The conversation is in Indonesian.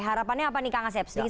harapannya apa nih kak asep